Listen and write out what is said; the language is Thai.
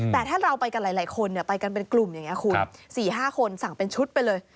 แต่ถ้าเราไปกันหลายคนไปกันเป็นกลุ่มอย่างนี้คุณ๔๕คนสั่งเป็นชุดไปเลย